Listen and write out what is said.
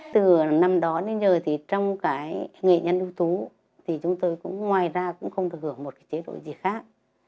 từ năm đó đến giờ thì trong cái nghệ nhân ưu tú thì chúng tôi cũng ngoài ra cũng không được hưởng một cái chế độ gì khác